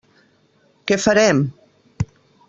Què farem?